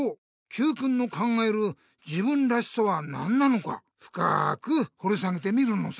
Ｑくんの考える自分らしさは何なのかふかくほり下げてみるのさ。